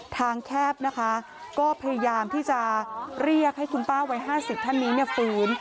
แคบนะคะก็พยายามที่จะเรียกให้คุณป้าวัย๕๐ท่านนี้เนี่ยฟื้น